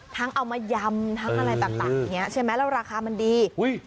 ทั้งเอามายำทั้งอะไรต่างใช่ไหมแล้วราคามันดี